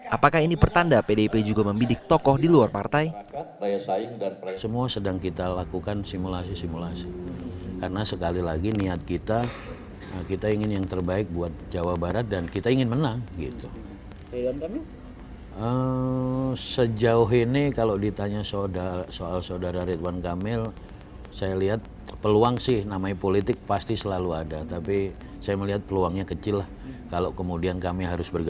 apakah ini pertanda pdip juga membidik tokoh di luar partai